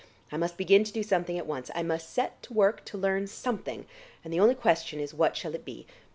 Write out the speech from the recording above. I must begin to do something at once; I must set to work to learn something, and the only question is what shall it be.